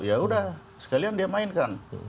ya udah sekalian dia mainkan